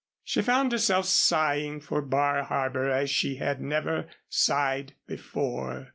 She found herself sighing for Bar Harbor as she had never sighed before.